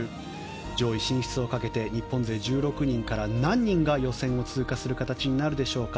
上位進出をかけて日本勢１６人から何人が予選を通過する形になるでしょうか。